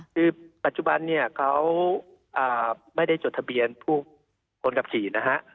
คือปัจจุบันเนี่ยเขาไม่ได้จดทะเบียนผู้คนขับขี่นะฮะ